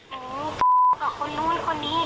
เหมือนกับคนนู้นคนนี้ทีอย่างนี้ค่ะ